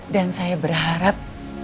dan saya berharap